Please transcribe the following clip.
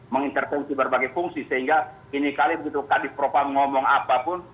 mengintervengsi berbagai fungsi sehingga kini kali begitu kadif profam ngomong apapun